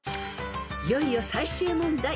［いよいよ最終問題］